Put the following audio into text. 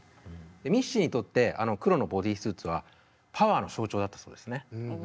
ミッシーにとってあの黒のボディースーツはパワーの象徴だったそうですね。